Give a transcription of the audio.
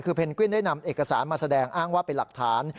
คือเพนกวินได้นำเอกสารมาแสดงอ้างว่าเป็นหลักฐาน